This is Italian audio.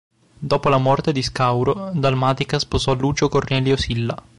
Dopo la morte di Scauro, Dalmatica sposò Lucio Cornelio Silla.